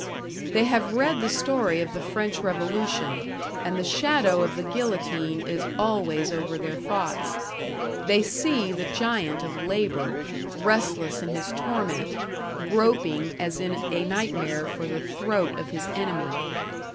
They have read the story of the French revolution, and the shadow of the guillotine is always over their thoughts; they see the giant of labor, restless in his torment, groping as in a nightmare for the throat of his enemy.